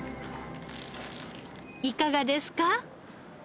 いかがですか？